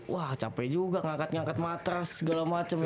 wah cape juga ngangkat ngangkat matras segala macem ya